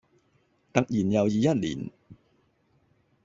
突然又已一年